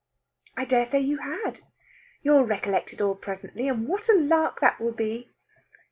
"I dare say you had. You'll recollect it all presently, and what a lark that will be!"